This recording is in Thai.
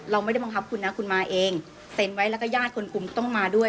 เราไม่ได้บังคับคุณนะคุณมาเองเซ็นไว้แล้วก็ญาติคนคุมต้องมาด้วย